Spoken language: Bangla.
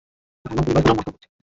তারা আমার পরিবারের সুনাম নষ্ট করেছে।